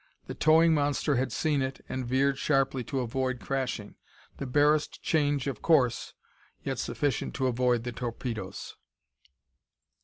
The towing monster had seen it and veered sharply to avoid crashing. The barest change of course, yet sufficient to avoid the torpedoes....